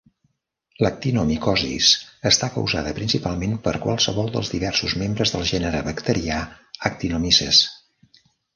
L'actinomicosis està causada principalment per qualsevol dels diversos membres del gènere bacterià "Actinomyces".